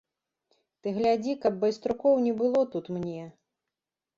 Ты глядзі, каб байструкоў не было тут мне.